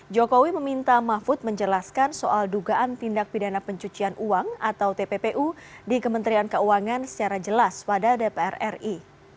jokowi meminta mahfud menjelaskan soal dugaan tindak pidana pencucian uang atau tppu di kementerian keuangan secara jelas pada dpr ri